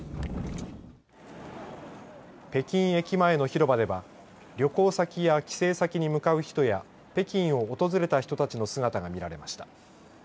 北京駅前の広場では旅行先や帰省先に向かう人や北京を訪れた人たちの姿が見られました。